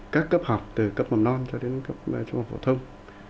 các cấp học từ cấp mầm non cho đến cấp trung học phổ thông